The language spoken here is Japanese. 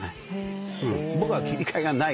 僕は切り替えがない。